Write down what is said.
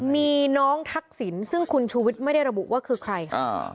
มีน้องทักษิณซึ่งคุณชูวิทย์ไม่ได้ระบุว่าคือใครค่ะ